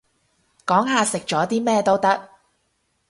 講下食咗啲咩都得